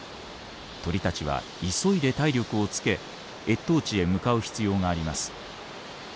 鳥たちは急いで体力をつけ越冬地へ向かう必要があります。